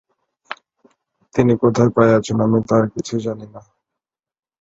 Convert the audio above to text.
তিনি কোথায় পাইয়াছেন আমি তাহার কিছুই জানি না।